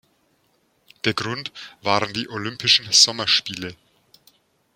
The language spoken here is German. Der Grund waren die Olympischen Sommerspiele.